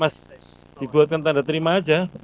mas dibuatkan tanda terima aja